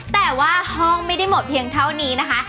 แต่ว่าห้องไม่ได้หมดเพียงเท่านี้นะคะ